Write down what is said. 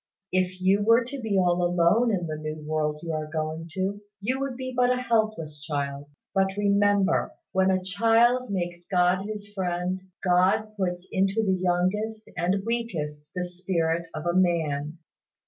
If you were to be all alone in the new world you are going to, you would be but a helpless child: but remember, when a child makes God his friend, God puts into the youngest and weakest the spirit of a man."